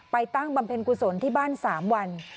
ตั้งบำเพ็ญกุศลที่บ้าน๓วัน